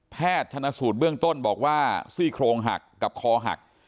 ชนะสูตรเบื้องต้นบอกว่าซี่โครงหักกับคอหัก